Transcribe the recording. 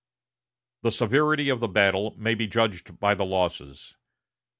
The severity of the battle may be judged by the losses.